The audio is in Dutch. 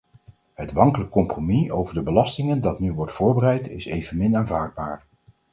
Het wankele compromis over de belastingen dat nu wordt voorbereid, is evenmin aanvaardbaar.